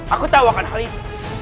aku tahu akan hal ini